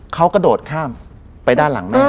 เขากระโดดข้ามไปด้านหลังแม่